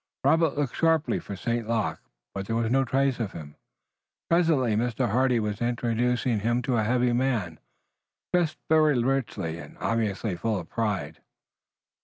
Robert looked sharply for St. Luc, but there was no trace of him. Presently Mr. Hardy was introducing him to a heavy man, dressed very richly, and obviously full of pride.